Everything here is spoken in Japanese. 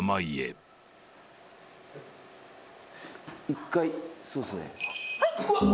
一回そうっすね。